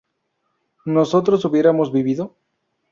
¿nosotros hubiéramos vivido?